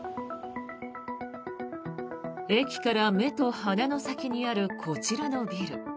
駅から目と鼻の先にあるこちらのビル。